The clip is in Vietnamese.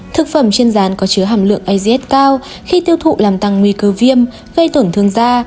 thực phẩm trên rán có chứa hàm lượng az cao khi tiêu thụ làm tăng nguy cơ viêm gây tổn thương da